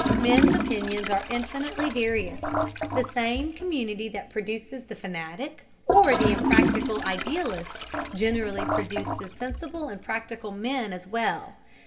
Men's opinions are infinitely various: the same community that produces the fanatic or the impractical idealist generally produces sensible and practical men as well.